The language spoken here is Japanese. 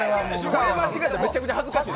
これ間違えたらめちゃくちゃ恥ずかしい。